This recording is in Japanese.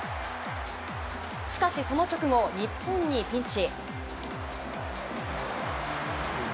しかし、その直後日本にピンチ。